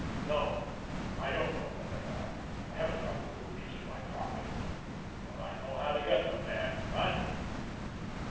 No; I don't know where they are, I haven't got the rubies in my pocket—but I know how to get them there. What?"